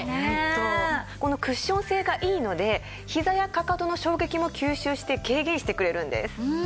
このクッション性がいいのでひざやかかとの衝撃も吸収して軽減してくれるんです。